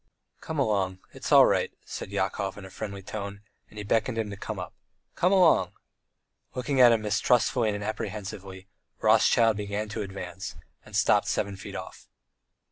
"Come along, it's all right," said Yakov in a friendly tone, and he beckoned him to come up. "Come along!" Looking at him mistrustfully and apprehensively, Rothschild began to advance, and stopped seven feet off.